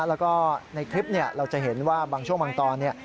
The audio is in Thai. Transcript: แล้วก็ในคลิปเราจะเห็นว่าบางช่วงบางตอน